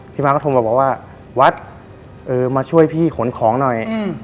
มาก็โทรมาบอกว่าวัดมาช่วยพี่ขนของหน่อย